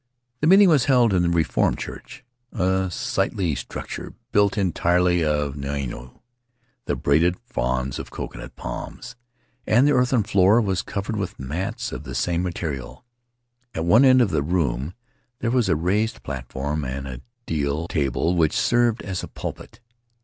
The meeting was held in the Reformed church, a sightly structure built entirely of niau — the braided fronds of coconut palms — and the earthern floor was covered with mats of the same material. At one end of the room there was a raised platform and a deal table which served as a pulpit.